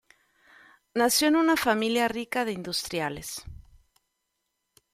Nació en una familia rica de industriales.